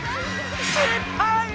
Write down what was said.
失敗！